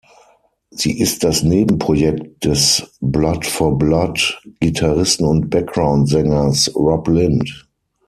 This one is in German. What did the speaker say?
Sie ist das Nebenprojekt des Blood-for-Blood-Gitarristen und Background-Sängers Rob Lind.